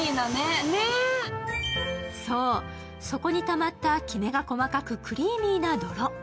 そう、底にたまったきめが細かくクリーミーな泥。